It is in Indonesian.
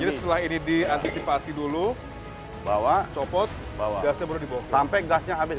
jadi setelah ini diantisipasi dulu bawa copot gasnya baru dibawa sampai gasnya habis